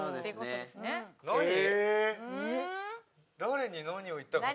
誰に何を言ったかって。